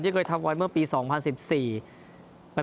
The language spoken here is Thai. เคยทำไว้เมื่อปี๒๐๑๔